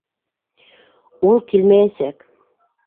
Ул килмәйәсәк.